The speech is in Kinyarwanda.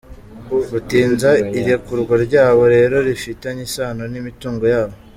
Gutinza irekurwa ryabo rero rifitanye isano n’imitungo yabo.